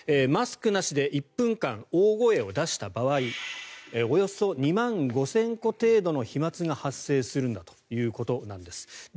マスクなしで１分間大声を出した場合およそ２万５０００個程度の飛まつが発生するんだということです。